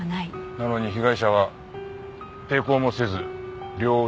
なのに被害者は抵抗もせず両腕を縛られていた。